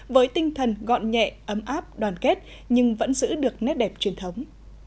với tinh thần gọn nhẹ ấm áp đoàn kết nhưng vẫn giữ được nét đẹp truyền thống